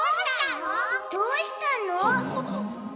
どうしたの？